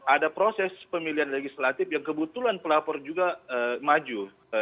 ada proses pemilihan legislatif yang kebetulan pelapor juga maju